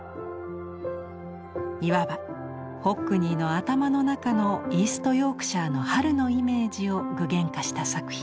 いわばホックニーの頭の中のイースト・ヨークシャーの春のイメージを具現化した作品。